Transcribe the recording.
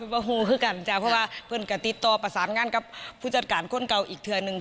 เพื่อนกันติดโตประสานงานกับผู้จัดการคนไกลอีกทันนึง